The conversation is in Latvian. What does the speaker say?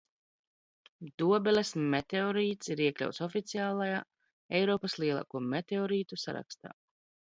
Dobeles meteorīts ir iekļauts oficiālajā Eiropas lielāko meteorītu sarakstā.